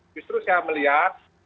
justru saya melihat